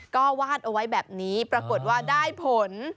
ก็วาดเอาไว้แบบนี้ปรากฏว่าได้ผล